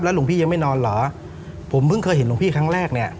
หลวงพี่ยังไม่นอนเหรอผมเพิ่งเคยเห็นหลวงพี่ครั้งแรกเนี่ย